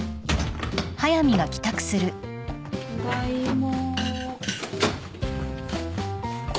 ただいま。